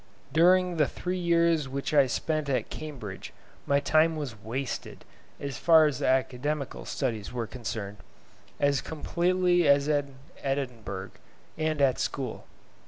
During the three years which I spent at Cambridge my time was wasted, as far as the academical studies were concerned, as completely as at Edinburgh and at school.